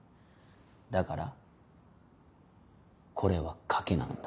だからこれは賭けなんだ。